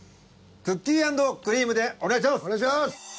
クッキーアンドクリームでお願いします。